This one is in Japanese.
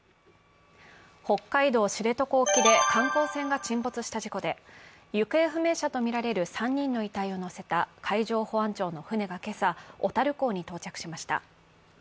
北海道・知床沖で観光船が沈没した事故で、行方不明者とみられる３人の遺体を乗せた海上保安庁の船が今朝、小樽港に到着しました。